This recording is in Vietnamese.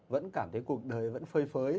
vẫn cảm thấy cuộc đời vẫn phơi phới